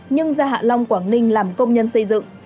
nhưng ra hạ long quảng ninh làm công nhân xây dựng